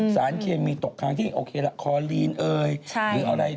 สารเคมีตกค้างที่โอเคละคอลีนเอ่ยหรืออะไร